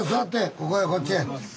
ここへこっちへ。